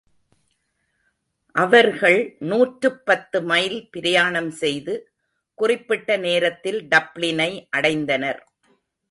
அவர்கள் நூற்றுப் பத்து மைல் பிரயாணம் செய்து குறிப்பிட்ட நேரத்தில் டப்ளினை அடைந்தனர்.